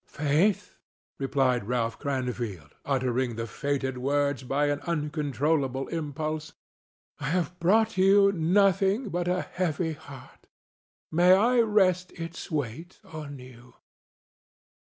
"Faith," replied Ralph Cranfield, uttering the fated words by an uncontrollable impulse, "I have brought you nothing but a heavy heart. May I rest its weight on you?"